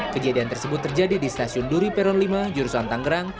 kejadian tersebut terjadi di stasiun duri peron lima jursantun